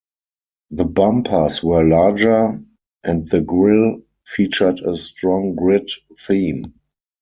The bumpers were larger, and the grille featured a strong grid theme.